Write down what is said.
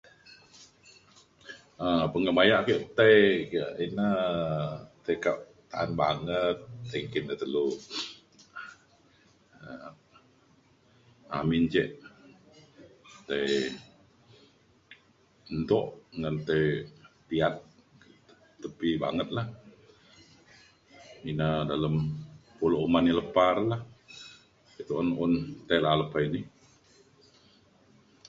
um pengebayak ake tai ke ina tai ka ta'an banget tai engkin da telu um amin ncek tai entuk ngan tai piyat tepi banget la. ina dalem pulok uman ya' lepa re la. be' un tai la lepa ini.